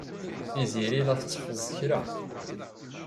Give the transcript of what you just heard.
Tiziri la tetteffeẓ kra.